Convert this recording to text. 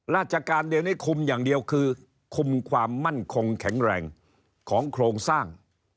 ราชการเดียวนี้คุมอย่างเดียวคือคุมความมั่นคงแข็งแรงของโครงสร้าง